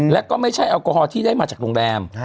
แล้วก็ไม่ใช่แอลกอฮอลที่ได้มาจากโรงแรม